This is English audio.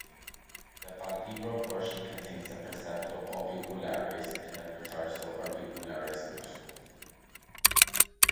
The palpebral portion contains the Preseptal orbicularis and the Pretarsal orbicularis muscles.